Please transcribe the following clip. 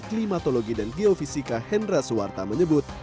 klimatologi dan geofisika hendra suwarta menyebut